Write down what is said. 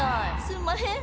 すんまへん！